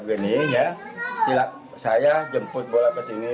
jadi begini ya silahkan saya jemput bola ke sini